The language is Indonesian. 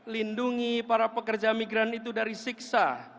lindungi para pekerja migran itu dari siksa